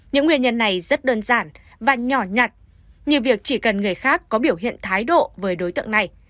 những nguyên nhân này rất đơn giản và nhỏ nhặt như việc chỉ cần người khác có biểu hiện thái độ với đối tượng này